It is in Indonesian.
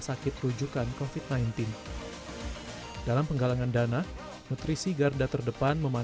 sakit rujukan covid sembilan belas dalam penggalangan dana nutrisi garda terdepan dan bahan kebutuhan